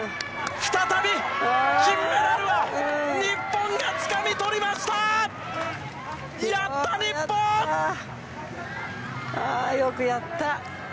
再び金メダルは日本がつかみああ、よくやった。